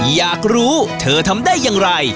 อยากรู้เธอทำได้อย่างไร